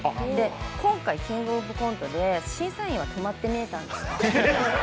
今回、「キングオブコント」で審査員は止まって見えたんですか？